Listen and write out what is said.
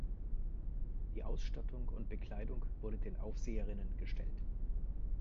Die Ausstattung und Bekleidung wurde den Aufseherinnen gestellt.